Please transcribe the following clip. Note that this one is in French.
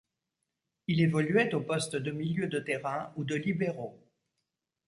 Il évoluait au poste de milieu de terrain ou de libéro.